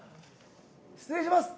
失礼します！